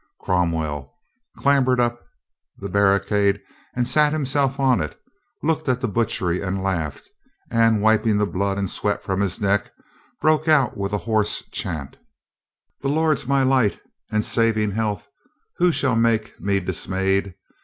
Cromwell clambered up the barricade and sat himself on it and looked at the butchery and laughed, and wiping the blood and sweat from his neck, broke out with a hoarse chant : The Lord's my light and saving health, Who shall make me dismay'd?